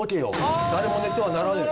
「誰も寝てはならぬ」。